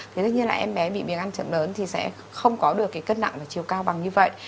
thế tất nhiên là em bé bị biến ăn chậm lớn thì sẽ không có được cái cân nặng và chiều cao bằng như vậy